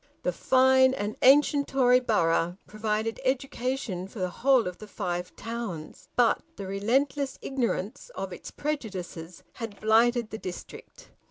The fine and ancient Tory borough provided education for the whole of the Five Towns, but the relentless ignorance of its prejudices had blighted the district.